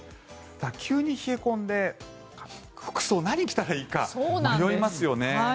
急に冷え込んで服装何を着たらいいか迷いますよね。